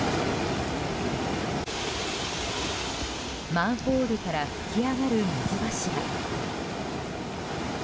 マンホールから噴き上がる水柱。